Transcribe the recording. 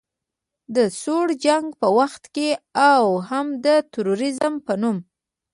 د سوړ جنګ په وخت کې او هم د تروریزم په نوم